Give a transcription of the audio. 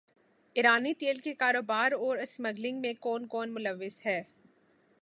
ایرانی تیل کے کاروبار اور اسمگلنگ میں کون کون ملوث ہے